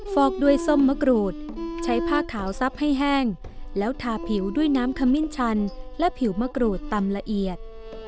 ฟอกด้วยส้มมะกรูดใช้ผ้าขาวซับให้แห้งแล้วทาผิวด้วยน้ำขมิ้นชันและผิวมะกรูดตำละเอียด